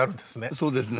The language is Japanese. そうですね。